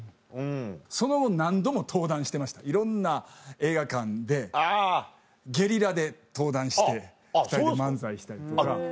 その後何度も登壇してましたいろんな映画館でゲリラで登壇して２人で漫才したりとか。